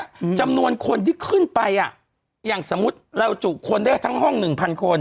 อืมจำนวนคนที่ขึ้นไปอ่ะอย่างสมมุติเราจุคนได้ทั้งห้องหนึ่งพันคน